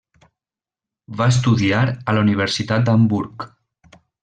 Va estudiar a la Universitat d'Hamburg.